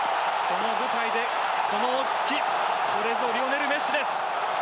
この舞台でこの落ち着きこれぞリオネル・メッシです。